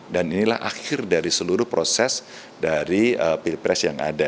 dan inilah akhir dari seluruh proses dari pilpres yang ada